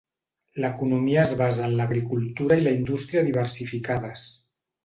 L'economia es basa en l'agricultura i la industria diversificades.